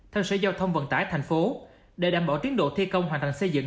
theo sở giao thông vận tải thành phố để đảm bảo tiến độ thi công hoàn thành xây dựng